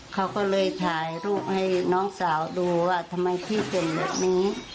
เขาก็เลยถ่ายรูปให้น้องสาวดูว่าทำไมพี่เป็นแบบนี้